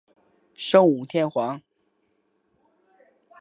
圣武天皇。